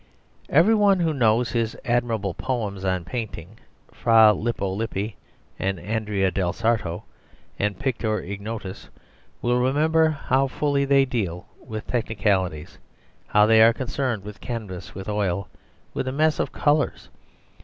Every one who knows his admirable poems on painting "Fra Lippo Lippi" and "Andrea del Sarto" and "Pictor Ignotus" will remember how fully they deal with technicalities, how they are concerned with canvas, with oil, with a mess of colours.